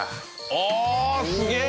ああすげえ！